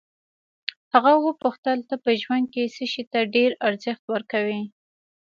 هغه وپوښتل ته په ژوند کې څه شي ته ډېر ارزښت ورکوې.